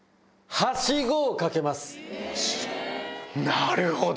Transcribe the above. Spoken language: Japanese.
なるほど！